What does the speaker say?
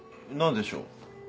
何でしょう？